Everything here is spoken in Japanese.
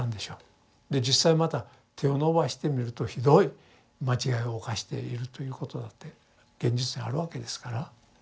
実際また手を伸ばしてみるとひどい間違いを犯しているということだって現実にあるわけですから。